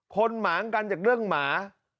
หมางกันจากเรื่องหมา